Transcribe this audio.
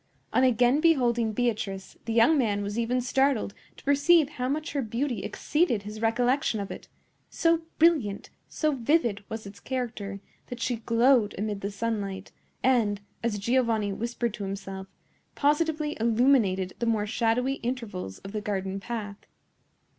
On again beholding Beatrice, the young man was even startled to perceive how much her beauty exceeded his recollection of it; so brilliant, so vivid, was its character, that she glowed amid the sunlight, and, as Giovanni whispered to himself, positively illuminated the more shadowy intervals of the garden path.